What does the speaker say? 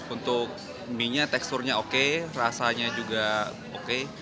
untuk mie nya teksturnya oke rasanya juga oke